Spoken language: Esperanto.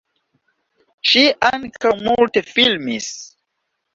Ŝi ankaŭ multe filmis.